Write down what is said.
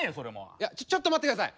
いやちょっと待って下さい！